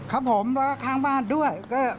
ครับผมแล้วก็ข้างบ้านด้วย